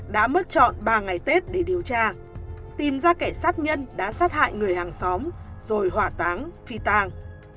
đã mất chọn ba ngày tết để điều tra tìm ra kẻ sát nhân đã sát hại người hàng xóm rồi hỏa táng phi tàng